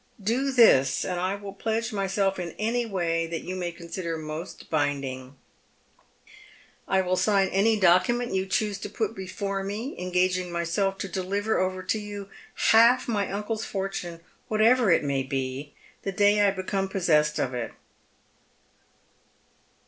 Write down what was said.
Do this, and I will pledge myself in any way that you may consider most binding. I will sign any document you choose to put before me, engaging myself to deliver over to you half my uncle's fortune, whatever it maybe, the day I become possessed of it."